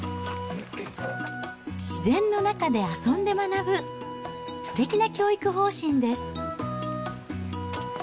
自然の中で遊んで学ぶ、すてきな教育方針です。